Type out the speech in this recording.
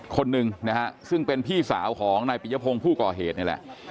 คนหนึ่งนะฮะซึ่งเป็นพี่สาวของนายปิยพงศ์ผู้ก่อเหตุนี่แหละ